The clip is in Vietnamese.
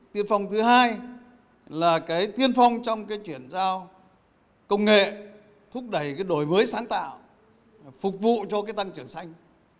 tiên phong thứ hai là tiên phong trong chuyển giao công nghệ thúc đẩy đổi mới sáng tạo phục vụ cho tăng trưởng xanh